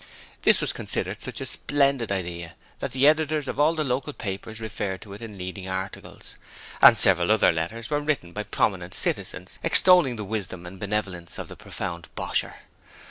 This was considered such a splendid idea that the editors of all the local papers referred to it in leading articles, and several other letters were written by prominent citizens extolling the wisdom and benevolence of the profound Bosher.